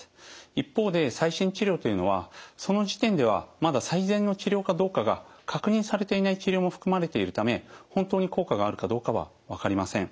一方で最新治療というのはその時点ではまだ最善の治療かどうかが確認されていない治療も含まれているため本当に効果があるかどうかは分かりません。